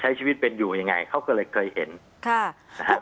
ใช้ชีวิตเป็นอยู่ยังไงเขาก็เลยเคยเห็นค่ะนะครับ